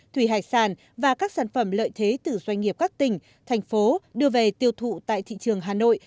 thủy hải sản và các sản phẩm lợi thế từ doanh nghiệp các tỉnh thành phố đưa về tiêu thụ tại thị trường hà nội